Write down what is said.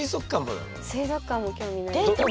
水族館も興味ないです。